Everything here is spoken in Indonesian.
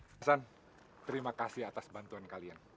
pesan terima kasih atas bantuan kalian